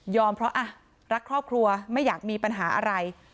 เพราะรักครอบครัวไม่อยากมีปัญหาอะไร